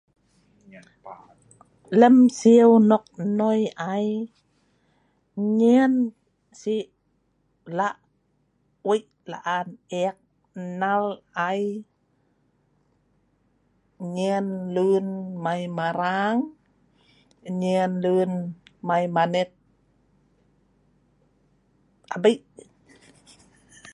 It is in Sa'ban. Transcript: Lem siu nok nnoi ai, nyen si wei laan ek nnal ai, nyen lun mai marang, nyen lun mai manet lemak rak